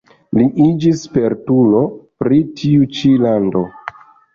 Li iĝis spertulo pri tiu ĉi lando.